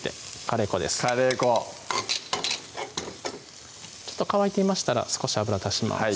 カレー粉乾いていましたら少し油足します